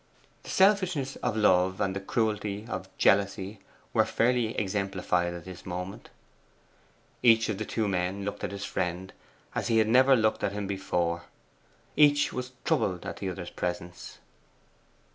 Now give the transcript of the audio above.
The selfishness of love and the cruelty of jealousy were fairly exemplified at this moment. Each of the two men looked at his friend as he had never looked at him before. Each was TROUBLED at the other's presence.